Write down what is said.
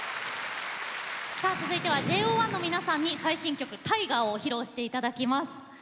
さあ続いてはＪＯ１の皆さんに最新曲「Ｔｉｇｅｒ」を披露していただきます。